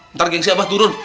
ntar gengsi abah turun